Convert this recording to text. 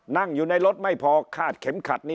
นั่งอยู่ในรถไม่พอคาดเข็มขัดนี้